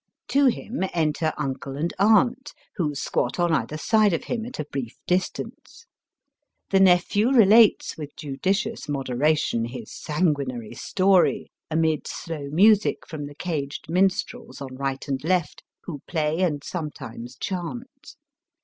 To him enter uncle and aunt, who squat on either side of him at a brief distance. The nephew relates with judicious moderation his sanguinary story, amid slow music from the caged minstrels on right and left, who play and sometimes chant.